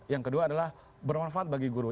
yang kedua adalah bermanfaat bagi guru